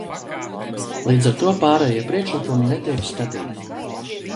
Līdz ar to pārējie priekšlikumi netiek skatīti.